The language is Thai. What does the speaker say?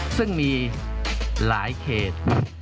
ซึ่งมีหลายเขต